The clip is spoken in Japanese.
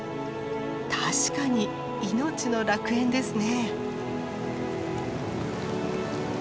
確かに命の楽園ですね。